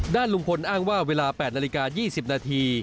ด้านลุงพลอ้างว่าเวลา๘นาฬิกา๒๐นาที